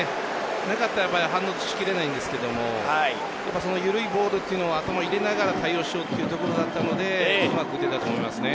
なかったら反応しきれないんですけどもその緩いボールというのを頭に入れながら対応しようというところだったのでうまく打てたと思うんですよね。